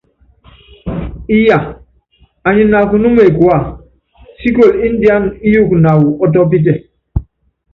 Íyaa, anyi nakunúma ekuea, síkoli ndiána íyuku naawɔ ɔ́tɔ́pítɛ.